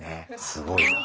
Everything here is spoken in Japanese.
すごいな。